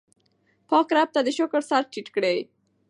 پاک رب ته د شکر سر ټیټ کړئ.